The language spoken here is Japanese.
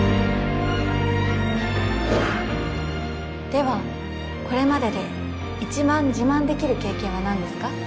ではこれまでで一番自慢できる経験は何ですか？